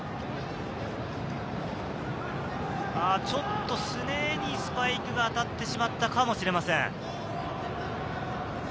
ちょっと脛にスパイクが当たってしまったかもしれません。